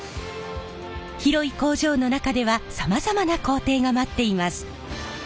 広い工場の中ではさまざまな工程が待っています。